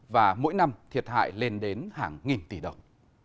và mỗi năm thiệt hại lên đến hàng nghìn tỷ đồng